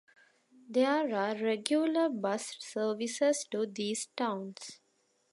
There are regular bus services to these towns.